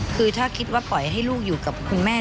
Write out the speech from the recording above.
คือถ้าคิดว่าปล่อยให้ลูกอยู่กับคุณแม่